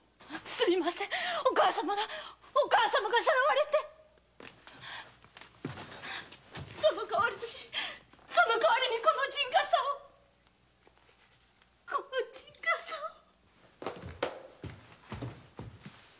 すみませんお母様がさらわれてその代わりにその代わりにこの陣がさをこの陣がさを。